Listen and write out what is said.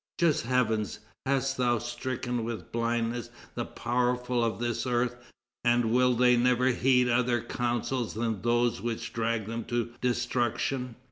Just Heaven! hast Thou stricken with blindness the powerful of this earth, and will they never heed other counsels than those which drag them to destruction!